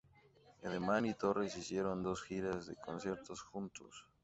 Edelman y Torres hicieron dos giras de conciertos juntos.